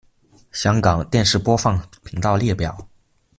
香港电视播放频道列表